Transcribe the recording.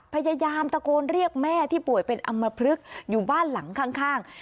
พยายามตะโกนเรียกแม่ที่ป่วยเป็นอำมพลึกอยู่บ้านหลังข้าง